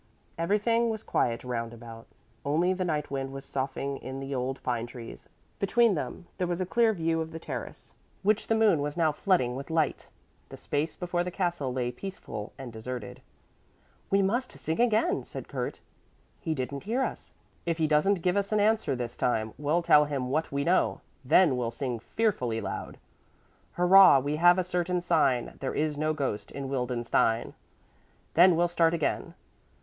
Everything was quiet roundabout, only the night wind was soughing in the old pine trees. Between them there was a clear view of the terrace, which the moon was now flooding with light; the space before the castle lay peaceful and deserted. "We must sing again," said Kurt. "He didn't hear us. If he doesn't give us an answer this time we'll tell him what we know. Then we'll sing fearfully loud: Hurrah! We have a certain sign, There is no ghost in Wildenstein. "Then we'll start again."